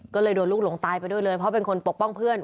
ก็เลยโดนลูกหลงตายไปด้วยเลยเพราะเป็นคนปกป้องเพื่อน